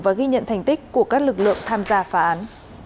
và ghi nhận thành tích của các lực lượng tham gia phá án